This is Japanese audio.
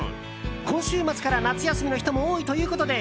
今週末から夏休みの人も多いということで